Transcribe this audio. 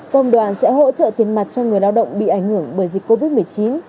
công đoàn sẽ hỗ trợ tiền mặt cho người lao động bị ảnh hưởng bởi dịch covid một mươi chín